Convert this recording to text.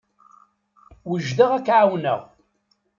Wejdeɣ ad k-ɛawneɣ.